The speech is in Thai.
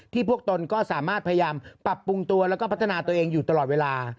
พวกตนก็สามารถพยายามปรับปรุงตัวแล้วก็พัฒนาตัวเองอยู่ตลอดเวลา